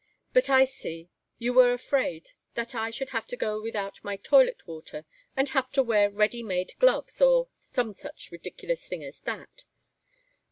But I see you were afraid that I should have to go without my toilet water and have to wear ready made gloves, or some such ridiculous thing as that!